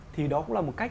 thì đó cũng là một cách